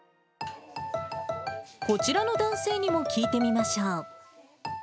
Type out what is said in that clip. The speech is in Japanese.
こちらの男性にも聞いてみましょう。